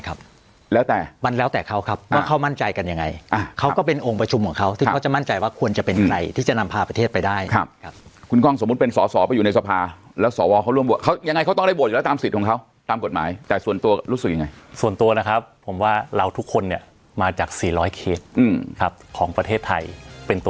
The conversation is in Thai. ครับแล้วแต่มันแล้วแต่เขาครับว่าเขามั่นใจกันยังไงเขาก็เป็นองค์ประชุมของเขาที่เขาจะมั่นใจว่าควรจะเป็นใครที่จะนำพาประเทศไปได้ครับครับคุณกล้องสมมุติเป็นสอสอไปอยู่ในสภาแล้วสวเขาร่วมโหวตเขายังไงเขาต้องได้โหวตอยู่แล้วตามสิทธิ์ของเขาตามกฎหมายแต่ส่วนตัวรู้สึกยังไงส่วนตัวนะครับผมว่าเราทุกคนเนี่ยมาจากสี่ร้อยเคสครับของประเทศไทยเป็นตัว